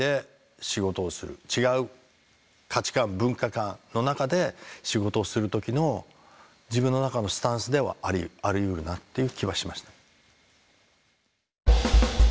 違う価値観文化観の中で仕事をする時の自分の中のスタンスではありうるなっていう気はしましたね。